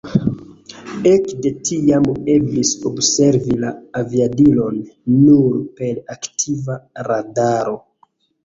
Ekde tiam eblis observi la aviadilon nur per aktiva radaro.